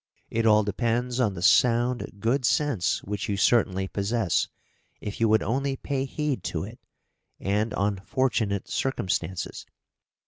It all depends on the sound good sense which you certainly possess, if you would only pay heed to it, and on fortunate circumstances.